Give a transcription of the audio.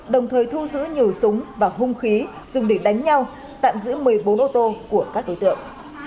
đồng thời thu giữ nhiều súng và hung khí dùng để đánh nhau tạm giữ một mươi bốn ô tô của các đối tượng